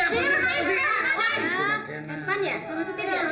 depan ya sama setir ya